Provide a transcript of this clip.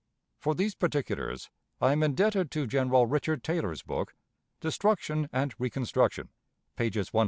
For these particulars I am indebted to General Richard Taylor's book, "Destruction and Reconstruction," pages 123 125.